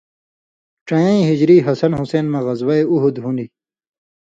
ڇَییں ہِجریں حسن حُسېن مہ، غزوہ اُحُد ہُون٘دیۡ۔